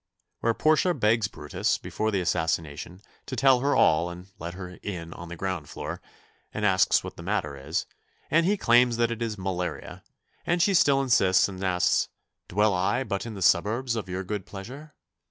Where Portia begs Brutus, before the assassination, to tell her all and let her in on the ground floor, and asks what the matter is, and he claims that it is malaria, and she still insists and asks, "Dwell I but in the suburbs of your good pleasure?"